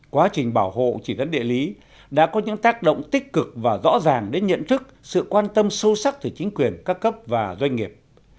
quá trình bảo hộ chỉ dẫn địa lý đã có những tác động tích cực và rõ ràng đến nhận thức sự quan tâm sâu sắc từ chính quyền các cấp và doanh nghiệp